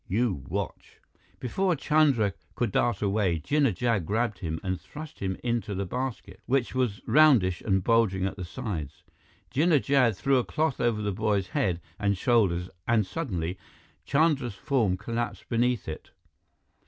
You watch." Before Chandra could dart away, Jinnah Jad grabbed him and thrust him into the basket, which was roundish and bulging at the sides. Jinnah Jad threw a cloth over the boy's head and shoulders and suddenly, Chandra's form collapsed beneath it.